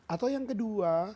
atau yang kedua